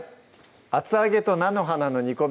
「厚揚げと菜の花の煮込み」